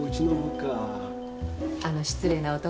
あの失礼な男？